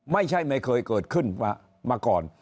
ไม่ใช่ไม่เคยเกิดขึ้นมาก่อน